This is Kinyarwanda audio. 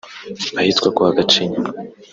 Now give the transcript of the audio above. ahitwa kwa Gacinya